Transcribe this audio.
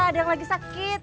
ada yang lagi sakit